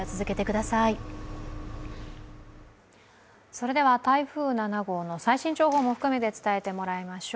それでは台風７号の最新情報も含めて伝えてもらいましょう。